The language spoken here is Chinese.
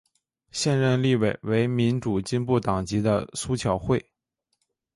现任立委为民主进步党籍的苏巧慧。